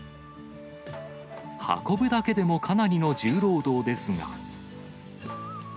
運ぶだけでもかなりの重労働ですが。